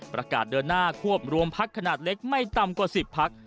ประกาศเดินหน้าควบรวมพักขนาดเล็กไม่ต่ำกว่า๑๐พัก